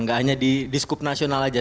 enggak hanya di skup nasional saja